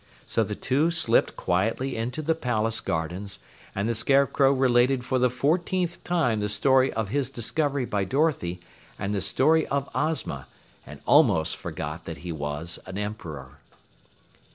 So the two slipped quietly into the palace gardens, and the Scarecrow related for the fourteenth time the story of his discovery by Dorothy and the story of Ozma, and almost forgot that he was an Emperor.